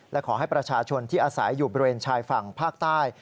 และขอให้ประชาชนที่อาศัยอยู่บริเวณชายฝั่งภาคใต้